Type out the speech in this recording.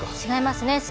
違いますね。